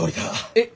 えっ？